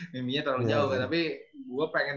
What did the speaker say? mimpinya terlalu jauh kan tapi gue pengen